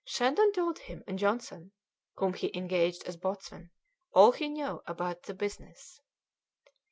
Shandon told him and Johnson (whom he engaged as boatswain) all he knew about the business.